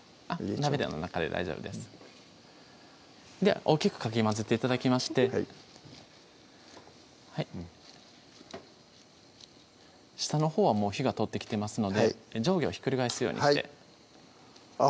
鍋の中で大丈夫ですでは大きくかき混ぜて頂きましてはい下のほうはもう火が通ってきてますので上下をひっくり返すようにしてはいあっ